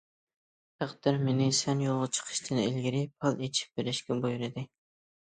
تەقدىر مېنى سەن يولغا چىقىشتىن ئىلگىرى پال ئېچىپ بېرىشكە بۇيرۇدى.